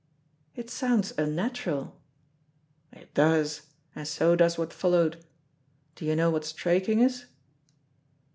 "It sounds unnatural." "It does, and so does what followed. Do you know what straiking is?"